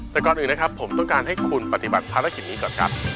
แต่ก่อนอื่นนะครับผมต้องการให้คุณปฏิบัติภารกิจนี้ก่อนครับ